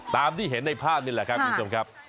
ตามที่เห็นในภาพนี่แหละครับคุณผู้ชมครับ